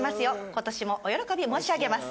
今年もお慶び申し上げます。